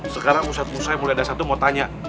sekarang usai mulai ada satu mau tanya